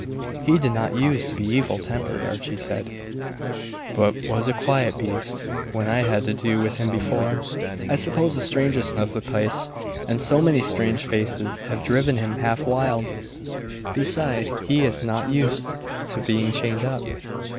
"He did not use to be evil tempered," Archie said; "but was a quiet beast when I had to do with him before. I suppose the strangeness of the place and so many strange faces have driven him half wild. Beside, he is not used to being chained up.